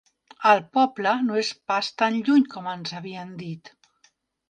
El poble no és pas tan lluny com ens havien dit.